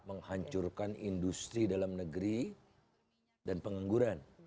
menghancurkan industri dalam negeri dan pengangguran